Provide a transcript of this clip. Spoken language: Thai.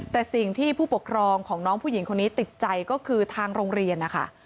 แต่สิ่งที่ผู้ปกครองของน้องผู้หญิงคนนี้ติดใจก็คือทางโรงเรียนนะคะ